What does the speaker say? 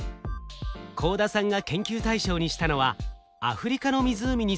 幸田さんが研究対象にしたのはアフリカの湖にすむ魚です。